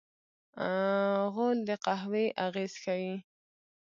غول د قهوې اغېز ښيي.